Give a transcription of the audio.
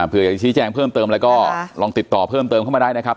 เพื่อจะชี้แจงเพิ่มเติมแล้วก็ลองติดต่อเพิ่มเติมเข้ามาได้นะครับ